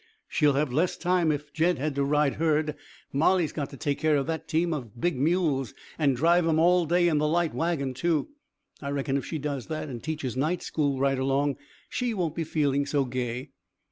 She'll have less time. If Jed has to ride herd, Molly's got to take care of that team of big mules, and drive 'em all day in the light wagon too. I reckon if she does that, and teaches night school right along, she won't be feeling so gay."